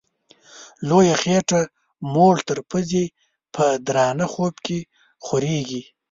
لویه خېټه موړ تر پزي په درانه خوب کي خوریږي